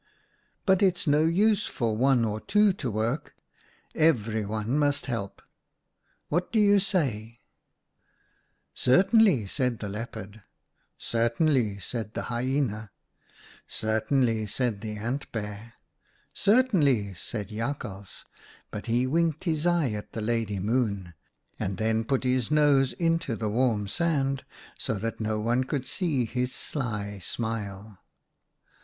But it's no use for one or two to work ; everyone must help. What do you say ?'"* Certainly,' said Leopard. "' Certainly,' said Hyena. "' Certainly,' said Ant bear. "* Certainly,' said Jakhals, but he winked his eye at the Lady Moon, and then put his nose into the warm sand so that no one could see his sly smile.